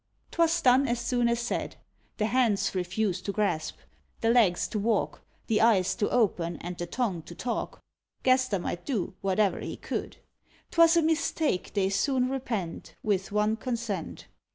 'Twas done as soon as said. The hands refused to grasp, the legs to walk, The eyes to open, and the tongue to talk; Gaster might do whate'er he could. 'Twas a mistake they soon repent With one consent.